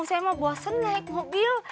saya mau bosen naik mobil